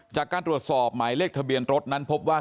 จากการตรวจสอบหมายเลขทะเบียนรถนั้นพบว่า